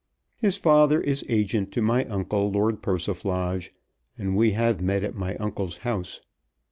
His father is agent to my uncle Lord Persiflage, and we have met at my uncle's house.